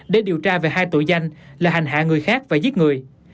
để điều tra về hai tội danh là hành hạ người khác và giết người